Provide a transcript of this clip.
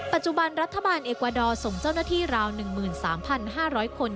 ปัจจุบันรัฐบาลเอกวาดอร์ส่งเจ้าหน้าที่ราว๑๓๕๐๐คน